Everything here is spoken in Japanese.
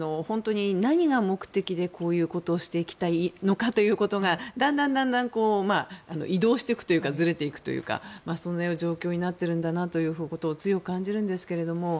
何が目的でこういうことをしてきたのかというのが、だんだん移動していくというかずれていくというかそんな状況になっているんだなということを強く感じるんですけども